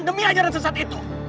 demi ajaran sesat itu